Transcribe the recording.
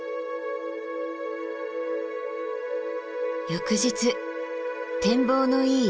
翌日展望のいい